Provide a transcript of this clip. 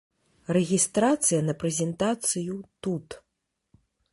Рэгістрацыя на прэзентацыю тут.